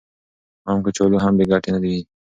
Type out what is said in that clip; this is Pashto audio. عام کچالو هم بې ګټې نه دي.